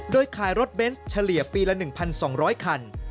โดยขายรถเบนส์เฉลี่ยปีละ๑๒๐๐คัน